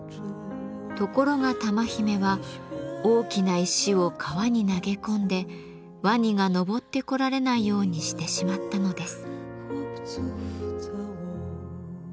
ところが玉姫は大きな石を川に投げ込んでワニが上ってこられないようにしてしまったのです。